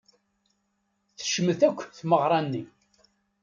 Tecmet akk tmeɣra-nni.